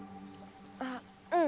あっうん。